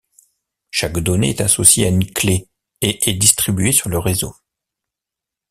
Chaque donnée est associée à une clé et est distribuée sur le réseau.